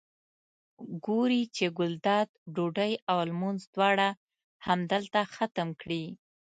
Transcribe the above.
ګوري چې ګلداد ډوډۍ او لمونځ دواړه همدلته ختم کړي.